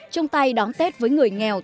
chung tay đón tết với người nghèo